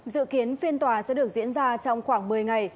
dự kiến phiên tòa sẽ được diễn ra trong khoảng một mươi ngày